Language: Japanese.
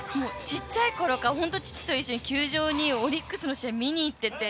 小さいころから父と一緒に球場にオリックスの試合見に行ってて。